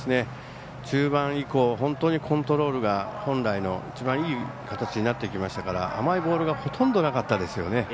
中盤以降、本当にコントロールが本来の一番いい形になっていきましたから甘いボールがほとんどなかったですよね。